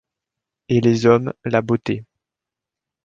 Et les hommes la beauté.